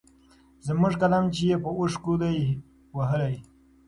زموږ قلم چي يې په اوښکو دی وهلی